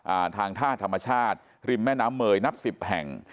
อ่าทางท่าธรรมชาติริมแม่น้ำเมยนับสิบแห่ง